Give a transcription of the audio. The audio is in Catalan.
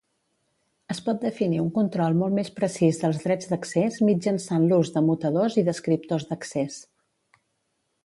Es pot definir un control molt més precís dels drets d'accés mitjançant l'ús de mutadors i descriptors d'accés.